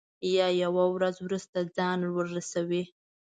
یا یوه ورځ وروسته ځان ورسوي.